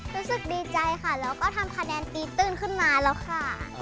รู้สึกดีใจค่ะแล้วก็ทำคะแนนตีตื้นขึ้นมาแล้วค่ะ